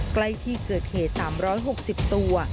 ใกล้ที่เกิดเหตุ๓๖๐ตัว